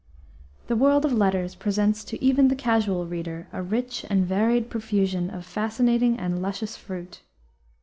The world of letters presents to even the casual reader a rich and varied profusion of fascinating and luscious fruit.